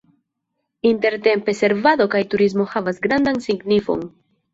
Intertempe servado kaj turismo havas grandan signifon.